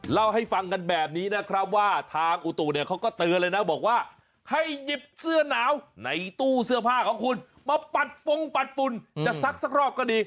เล่าให้ฟังกันแบบนี้นะครับว่าทางอุตุเนี่ยเขาก็เตือนเลยนะบอกว่าให้หยิบเสื้อหนาวในตู้เสื้อผ้าของคุณมาปัดฟงปัดปุ่นจะซักสักรอบก็ดี